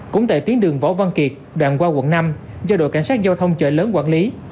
cũng tại tuyến đường võ văn kiệt đoạn qua quận năm do đội cảnh sát giao thông chợ lớn quản lý